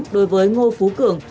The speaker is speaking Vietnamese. đối với ngô phú cường